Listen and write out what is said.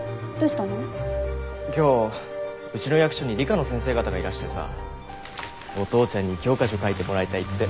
今日うちの役所に理科の先生方がいらしてさお父ちゃんに教科書書いてもらいたいって。